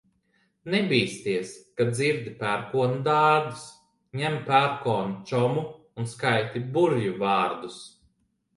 Nebīsties, kad dzirdi pērkona dārdus, ņem pērkona čomu un skaiti burvju vārdus.